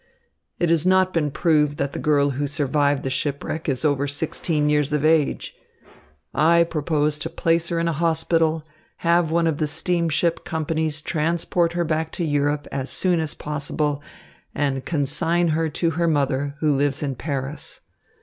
"It has not been proved that the girl who survived the shipwreck is over sixteen years of age. I propose to place her in a hospital, have one of the steamship companies transport her back to Europe as soon as possible, and consign her to her mother, who lives in Paris.